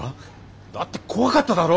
だって怖かっただろ？